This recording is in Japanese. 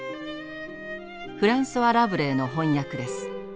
フランソワ・ラブレーの翻訳です。